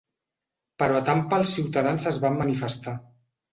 Però a Tampa els ciutadans es van manifestar.